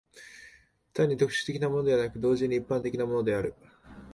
単に特殊的なものでなく、同時に一般的なものである。